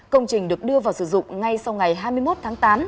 công trình được đưa vào sử dụng ngay sau ngày hai mươi một tháng tám